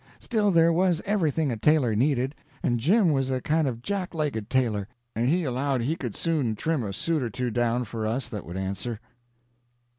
Still, there was everything a tailor needed, and Jim was a kind of jack legged tailor, and he allowed he could soon trim a suit or two down for us that would answer.